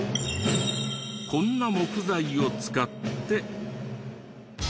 こんな木材を使って。